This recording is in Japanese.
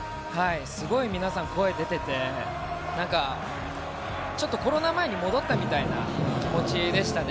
すごく皆さん声が出てて、コロナ前に戻ったみたいな気持ちでしたね。